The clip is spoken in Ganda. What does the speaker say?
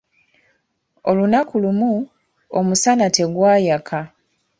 Olunaku lumu, omusana tegwayaka.